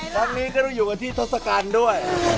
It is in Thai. ครั้งนี้ก็ต้องอยู่กันที่ทศกัณฐ์ด้วย